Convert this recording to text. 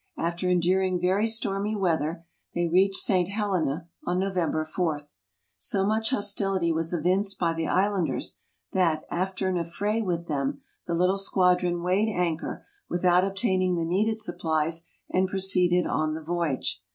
After enduring very stormy weather they reached St. Helena on November 4. So much hostility was evinced by the islanders that, after an affray with them, the little squadron weighed anchor, without obtaining the needed supplies, and proceeded on the voyage.